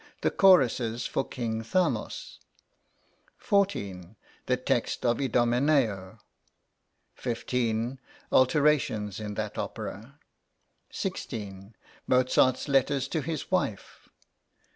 The choruses for "King Thamos." 14. The text of "Idomeneo." 15. Alterations in that opera. 16. Mozart's letters to his wife.